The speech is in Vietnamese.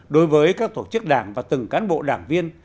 đối với các tổ chức đảng và từng cán bộ đảng viên